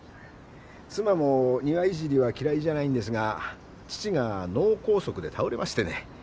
妻も庭いじりは嫌いじゃないんですが父が脳梗塞で倒れましてね。